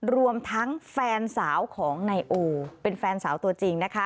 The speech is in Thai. รวมทั้งแฟนสาวของนายโอเป็นแฟนสาวตัวจริงนะคะ